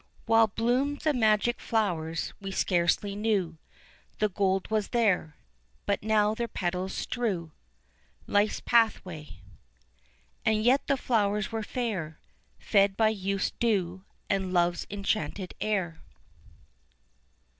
"While bloomed the magic flowers we scarcely knew The gold was there. But now their petals strew Life's pathway." "And yet the flowers were fair, Fed by youth's dew and love's enchanted air."